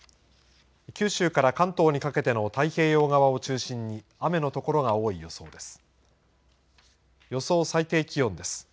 九州から関東にかけての太平洋側を中心に、雨の所が多い予想です。